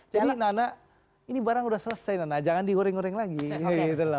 jadi nana ini barang sudah selesai nana jangan di goreng goreng lagi gitu loh